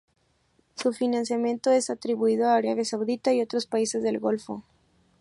Su financiamiento es atribuido a Arabia Saudita y otros países del Golfo.